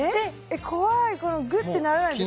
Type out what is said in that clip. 怖いグッてならないですか？